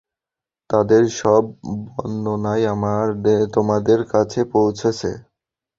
তাদের সব বর্ণনাই তোমাদের কাছে পৌঁছেছে।